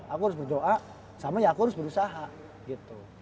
aku harus berdoa sama ya aku harus berusaha gitu